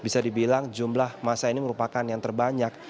saya bilang jumlah masa ini merupakan yang terbanyak